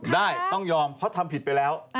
ได้ต้องยอมเพราะทำผิดไปแล้ว